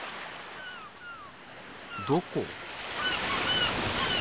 どこ？